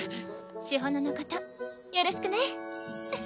詩帆乃のことよろしくねふふっ。